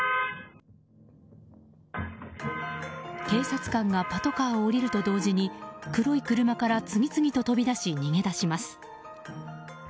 警察官がパトカーを降りると同時に黒い車から次々と飛び出し逃げ出します。